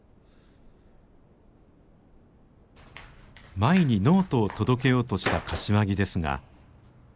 舞にノートを届けようとした柏木ですが。